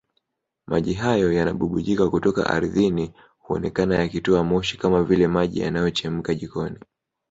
Maji hayo yanayobubujika kutoka ardhini huonekana yakitoa moshi kama vile maji yanayochemka jikoni